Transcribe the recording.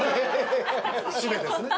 締めですね。